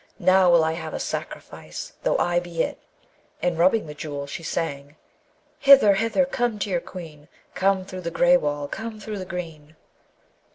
Now will I have a sacrifice, though I be it.' And rubbing the Jewel, she sang, Hither! hither! Come to your Queen; Come through the grey wall, Come through the green!